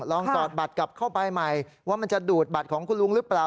สอดบัตรกลับเข้าไปใหม่ว่ามันจะดูดบัตรของคุณลุงหรือเปล่า